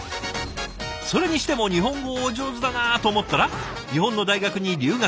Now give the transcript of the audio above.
それにしても日本語お上手だなと思ったら日本の大学に留学。